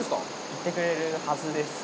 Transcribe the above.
行ってくれるはずです。